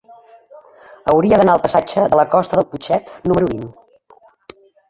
Hauria d'anar al passatge de la Costa del Putxet número vint.